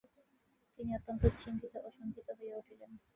তিনি অত্যন্ত চিন্তিত ও শঙ্কিত হইয়া উঠিলেন।